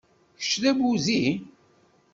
Kečč d abudi?